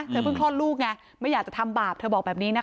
เพิ่งคลอดลูกไงไม่อยากจะทำบาปเธอบอกแบบนี้นะคะ